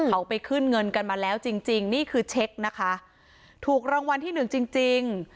เขาไปขึ้นเงินกันมาแล้วจริงจริงนี่คือเช็คนะคะถูกรางวัลที่หนึ่งจริงจริง